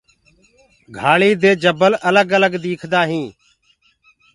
گھآݪدي دي جبل الگ الگ ديکدآ هينٚ۔